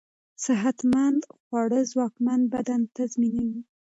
صحتمند خواړه ځواکمن بدن تضمينوي.